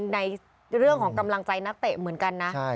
ในเรื่องของกำลังใจนักเตะเหมือนกันนะ